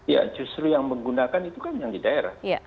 ya justru yang menggunakan itu kan yang di daerah